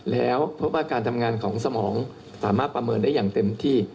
แล้วพบว่าการทำงานของสมองสามารถประเมินได้อย่างเต็มที่